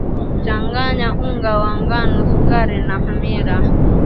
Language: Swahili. changanya unga wa ngano sukari na hamira